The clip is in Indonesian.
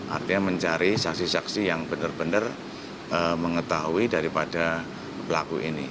artinya mencari saksi saksi yang benar benar mengetahui daripada pelaku ini